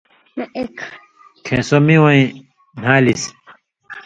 کھیں سو می وَیں نھالِسیۡ۔